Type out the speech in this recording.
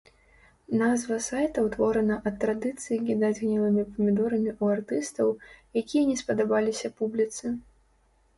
Назва сайта ўтворана ад традыцыі кідаць гнілымі памідорамі ў артыстаў, якія не спадабаліся публіцы.